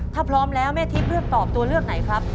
ถ้าพร้อมแล้วแม่ทิพย์เลือกตอบตัวเลือกไหนครับ